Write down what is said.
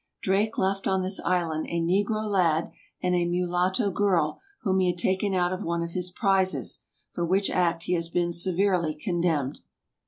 Drake left on this island a negro lad and a mulatto girl whom he had taken out of one of his prizes, for which act he has been severely condemned.